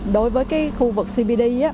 đối với cái khu vực cbd